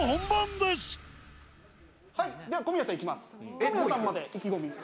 では、小宮さんいきます。